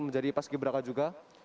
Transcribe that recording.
menjadi pas gibra kak juga